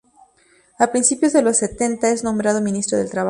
A principios de los sesenta es nombrado Ministro del Trabajo.